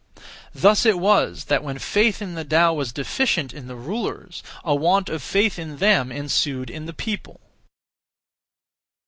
Thus it was that when faith (in the Tao) was deficient (in the rulers) a want of faith in them ensued (in the people).